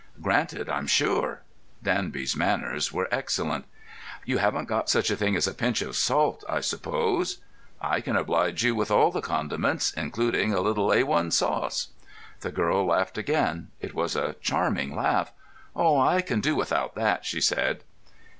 "Granted, I'm sure." Danby's manners were excellent. "You haven't got such a thing as a pinch of salt, I suppose?" "I can oblige you with all the condiments, including a little A1 sauce." The girl laughed again. It was a charming laugh. "Oh, I can do without that," she said.